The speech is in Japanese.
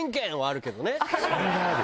それはある。